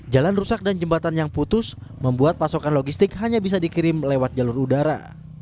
jalan rusak dan jembatan yang putus membuat pasokan logistik hanya bisa dikirim lewat jalur udara